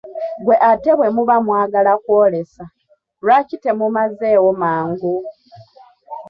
Ggwe ate bwe muba mwagala kw'olesa, lwaki temumazeewo mangu?